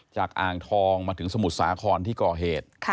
อ่างทองมาถึงสมุทรสาครที่ก่อเหตุ